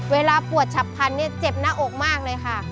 เวลาปวดฉับพันธุ์เนี่ยเจ็บหน้าอกมากเลยค่ะ